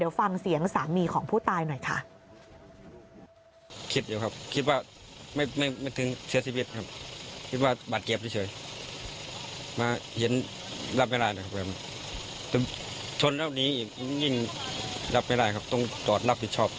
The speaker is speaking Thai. เดี๋ยวฟังเสียงสามีของผู้ตายหน่อยค่ะ